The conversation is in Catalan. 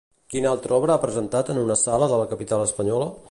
Quina altra obra ha presentat en una sala de la capital espanyola?